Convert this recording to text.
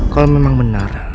kalau memang benar